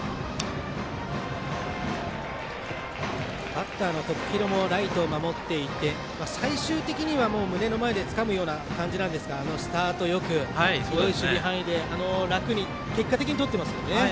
バッターの徳弘もライトを守っていて最終的には胸の前でつかむような感じなんですがスタートよく、守備範囲で楽に結果的にとっていますよね。